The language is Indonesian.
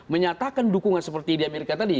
menyatakan dukungan seperti di amerika tadi